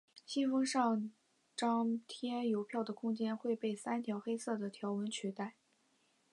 信封上张贴邮票的空间会被三条黑色的条纹取代。